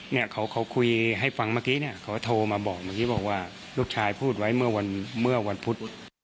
เนี่ยเขาคุยให้ฟังเมื่อกี้เนี่ยเขาโทรมาบอกเมื่อกี้บอกว่าลูกชายพูดไว้เมื่อวันเมื่อวันพุธ